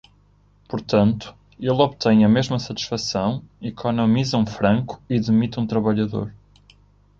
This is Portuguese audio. Portanto, ele obtém a mesma satisfação, economiza um franco e demite um trabalhador.